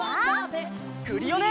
クリオネ！